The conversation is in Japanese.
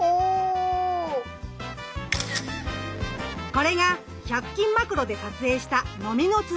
これが１００均マクロで撮影したノミノツヅリ。